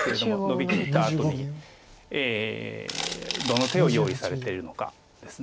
ノビきったあとにどの手を用意されてるのかです。